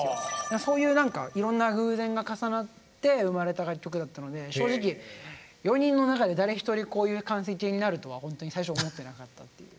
そういう何かいろんな偶然が重なって生まれた楽曲だったので正直４人の中で誰一人こういう完成形になるとはほんとに最初思ってなかったっていう。